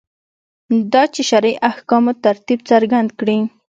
دا چې شرعي احکامو ترتیب څرګند کړي.